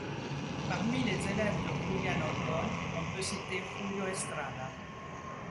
Parmi les élèves de Julián Orbón, on peut citer Julio Estrada.